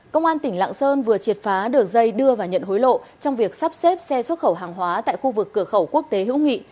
công an tỉnh lạng sơn vừa triệt phá đường dây đưa và nhận hối lộ trong việc sắp xếp xe xuất khẩu hàng hóa tại khu vực cửa khẩu quốc tế hữu nghị